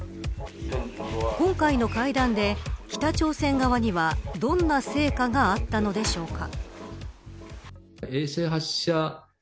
今回の会談で北朝鮮側にはどんな成果があったのでしょうか。